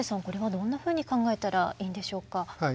これはどんなふうに考えたらいいんでしょうか。